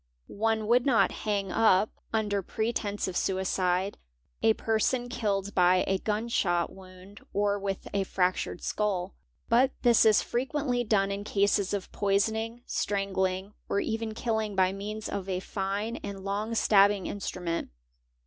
One would jot hang up, under pretence of suicide, a person killed by a gun shot yound or with a fractured skull; but this is frequently done in cases f poisoning, strangling, or even killing by means of a fine, and long abbing instrument.